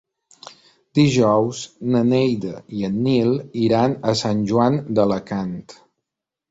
Dijous na Neida i en Nil iran a Sant Joan d'Alacant.